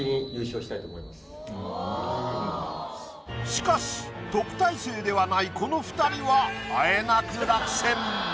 しかし特待生ではないこの２人はあえなく落選。